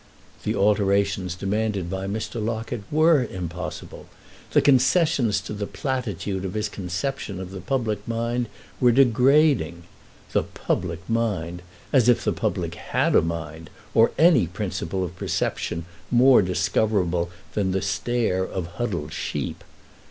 The alterations demanded by Mr. Locket were impossible; the concessions to the platitude of his conception of the public mind were degrading. The public mind!—as if the public had a mind, or any principle of perception more discoverable than the stare of huddled sheep!